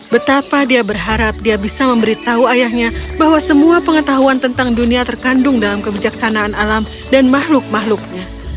betapa dia berharap dia bisa memberitahu ayahnya bahwa semua pengetahuan tentang dunia terkandung dalam kebijaksanaan alam dan makhluk makhluknya